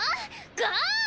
ゴー！